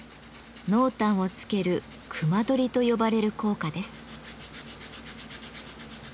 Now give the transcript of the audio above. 濃淡をつける「隈取り」と呼ばれる効果です。